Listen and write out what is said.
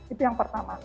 itu yang pertama